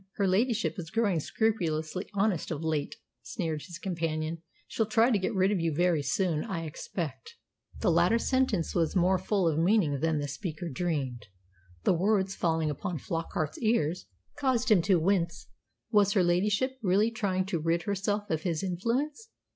"Her ladyship is growing scrupulously honest of late," sneered his companion. "She'll try to get rid of you very soon, I expect." The latter sentence was more full of meaning than the speaker dreamed. The words, falling upon Flockart's ears, caused him to wince. Was her ladyship really trying to rid herself of his influence?